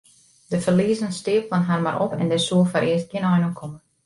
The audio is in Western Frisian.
De ferliezen steapelen har mar op en dêr soe foarearst gjin ein oan komme.